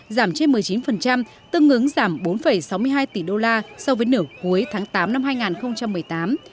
giảm trên một mươi chín tương ứng giảm bốn sáu mươi hai tỷ đô la so với nửa cuối tháng tám năm hai nghìn một mươi tám